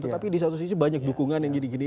tetapi di satu sisi banyak dukungan yang gini gini